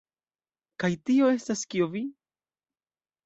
Kaj tio estas kio vi?